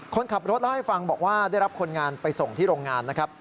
คนขับรถเล่าให้ฟังบอกว่าได้รับคนงานไปส่งที่โรงงานนะครับ